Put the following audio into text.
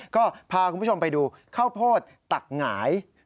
ก็พาคุณผู้ชมไปดูข้าวโพดตักหงาย